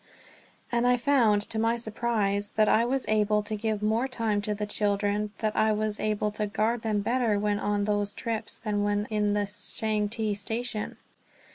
And I found, to my surprise, that I was able to give more time to the children, that I was able to guard them better when on those trips than when in the Changte Station.